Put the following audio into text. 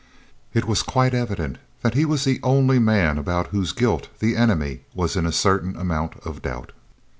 It was quite evident that he was the only man about whose guilt the enemy was in a certain amount of doubt.